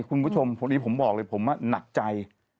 คุณผู้ชมผมบอกเลยผมน่ะหนักใจ